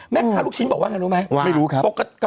แม็กซ์หาลูกชิ้นบอกว่าอย่างไรรู้ไหม